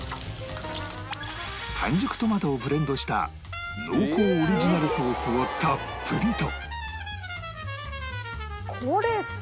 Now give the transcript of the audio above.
完熟トマトをブレンドした濃厚オリジナルソースをたっぷりと